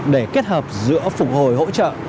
để kết hợp giữa phục hồi hỗ trợ